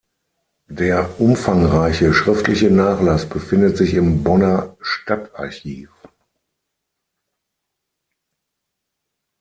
Der umfangreiche schriftliche Nachlass befindet sich im Bonner Stadtarchiv.